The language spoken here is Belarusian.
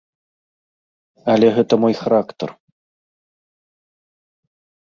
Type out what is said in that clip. Але гэта мой характар.